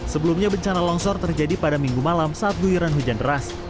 sebelumnya bencana longsor terjadi pada minggu malam saat guyuran hujan deras